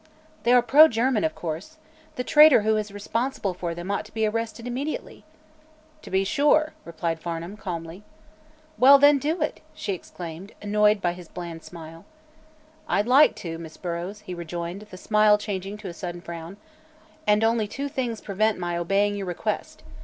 "They are pro German, of course. The traitor who is responsible for them ought to be arrested immediately." "To be sure," replied Farnum, calmly. "Well, then do it!" she exclaimed, annoyed by his bland smile. "I'd like to, Miss Burrows," he rejoined, the smile changing to a sudden frown, "and only two things prevent my obeying your request.